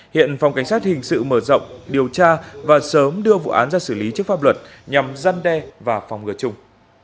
hiện phòng cảnh sát hình sự mở rộng điều tra và sớm đưa vụ án ra xử lý trước pháp luật nhằm gian đe và phòng ngừa chung